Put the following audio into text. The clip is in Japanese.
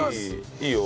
いいよ。